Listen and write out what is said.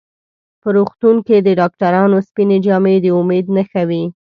په روغتون کې د ډاکټرانو سپینې جامې د امید نښه وي.